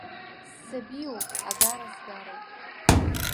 Ссабиуп, агара сгароуп.